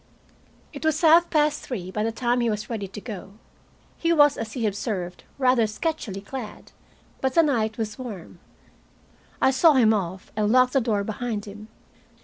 It was half past three by the time he was ready to go. He was, as he observed, rather sketchily clad, but the night was warm. I saw him off, and locked the door behind him.